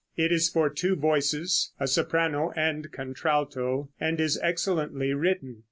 It is for two voices, a soprano and contralto, and is excellently written.